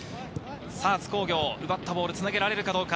さぁ津工業、奪ったボールをつなげられるかどうか。